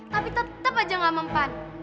tapi tetep aja nggak mempan